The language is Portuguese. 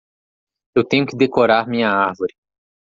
Eu tenho que decorar minha árvore.